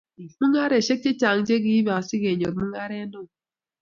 mungareishek chechang chegiibe asigenyor mungaret neo